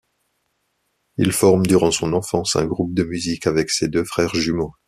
Il forme durant son enfance un groupe de musique avec ses deux frères jumeaux.